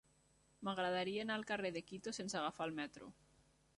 M'agradaria anar al carrer de Quito sense agafar el metro.